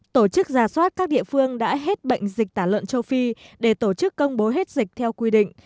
tổ chức giả soát các địa phương đã hết bệnh dịch tả lợn châu phi để tổ chức công bố hết dịch theo quy định